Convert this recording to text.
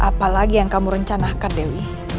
apalagi yang kamu rencanakan dewi